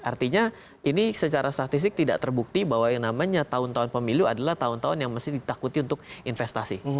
artinya ini secara statistik tidak terbukti bahwa yang namanya tahun tahun pemilu adalah tahun tahun yang mesti ditakuti untuk investasi